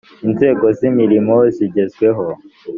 inzego z’imirimo zigezweho